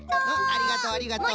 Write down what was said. ありがとうありがとう！